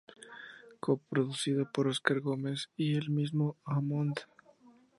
Co-producido por Óscar Gómez y el mismo Hammond.